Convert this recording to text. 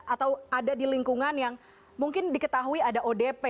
atau ada di lingkungan yang mungkin diketahui ada odp